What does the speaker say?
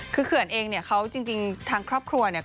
คือเขื่อนเองเนี่ยเขาจริงทางครอบครัวเนี่ย